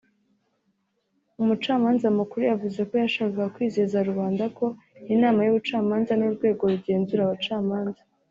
umucamanza mukuru yavuze ko yashakaga kwizeza rubanda ko inama y’ubucamanza n’urwego rugenzura abacamanza